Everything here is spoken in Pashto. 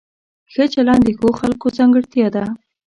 ښه چلند د ښو خلکو ځانګړتیا ده.